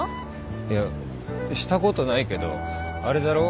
いやしたことないけどあれだろ？